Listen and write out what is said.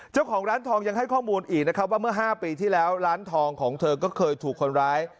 เจ้าของร้านทองยังให้ข้อมูลอีกนะครับว่าเมื่อ๕ปีที่แล้วร้านทองของเธอก็เคยถูกคนร้าย